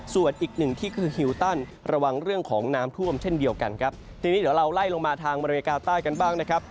ส่วนอีกหนึ่งที่คือฮิลตันระวังเรื่องของน้ำท่วมเช่นเดียวกันครับ